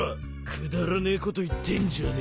くだらねえこと言ってんじゃねえ。